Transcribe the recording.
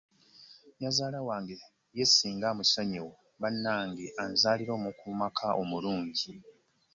Nnyazaala wange ye singa amusonyiwa, bannange anzaalira omukuumaka omulungi.